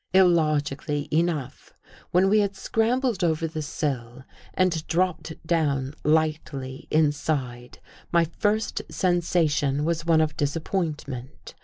Illogically enough, when we had scrambled over the sill and dropped down lightly Inside, my first sensation was one of disappointment.